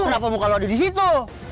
kenapa muka lo ada di situ